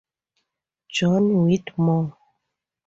John Whitmore.